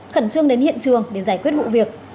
khẩn trương đến hiện trường để giải quyết vụ việc